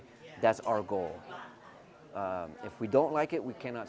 jika kita tidak suka dengan bahasa inggris kita tidak bisa belajar